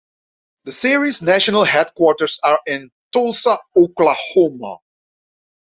The series national headquarters are in Tulsa, Oklahoma.